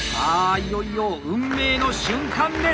いよいよ運命の瞬間です！